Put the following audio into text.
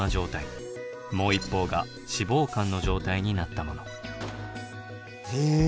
もう一方が脂肪肝の状態になったもの。え。